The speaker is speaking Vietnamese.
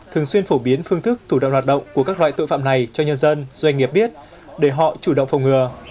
thường xuyên phổ biến phương thức thủ đoạn hoạt động của các loại tội phạm này cho nhân dân doanh nghiệp biết để họ chủ động phòng ngừa